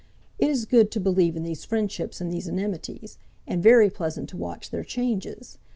It is good to believe in these friendships and these enmities, and very pleasant to watch their changes.